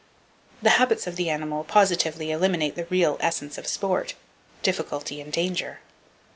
The habits of the animal positively [Page 177] eliminate the real essence of sport,—difficulty and danger.